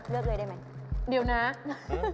เลือกเลยได้ไหม